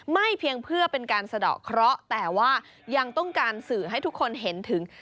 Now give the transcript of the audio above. เพียงเพื่อเป็นการสะดอกเคราะห์แต่ว่ายังต้องการสื่อให้ทุกคนเห็นถึง